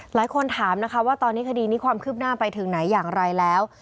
หลายคนถามนะคะว่าตอนนี้คดีนี้ความคืบหน้าไปถึงไหนอย่างไรแล้ว